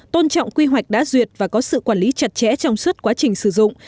tôn trọng quy hoạch đã duyệt và có sự quản lý chặt chẽ trong suốt quá trình sử dụng